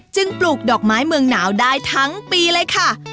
ปลูกดอกไม้เมืองหนาวได้ทั้งปีเลยค่ะ